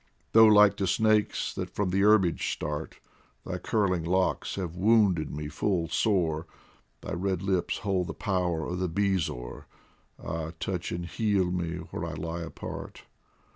Though like to snakes that from the herbage start, Thy curling locks have wounded me full sore, Thy red lips hold the power of the bezoar Ah, touch and heal me where I lie apart